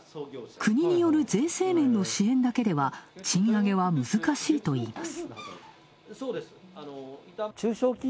国による税制面の支援だけでは賃上げは難しいといいます。